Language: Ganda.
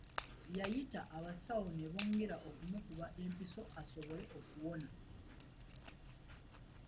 Yayita abasawo ne bongera okumukuba empiso asobole okuwona.